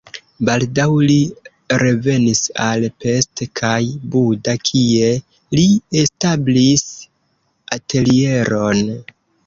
Baldaŭ li revenis al Pest kaj Buda, kie li establis atelieron.